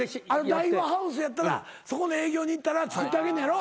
ダイワハウスやったらそこの営業に行ったら作ってあげんねやろ。